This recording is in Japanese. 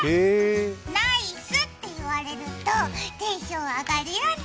ナイスって言われるとテンション上がるよね。